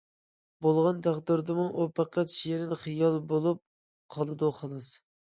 بولغان تەقدىردىمۇ ئۇ پەقەت شېرىن خىيال بولۇپ قالىدۇ، خالاس.